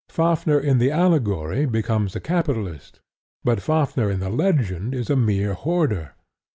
Fafnir in the allegory becomes a capitalist; but Fafnir in the legend is a mere hoarder.